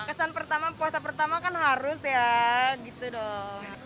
kesan pertama puasa pertama kan harus ya gitu dong